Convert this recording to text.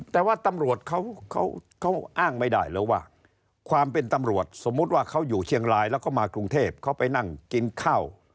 แต่ว่าตำรวจเขาอ้างไม่ได้เลยว่าความเป็นตำรวจสมมุติว่าเขาอยู่เชียงรายแล้วก็มากรุงเทพเขาไปนั่งกินข้าว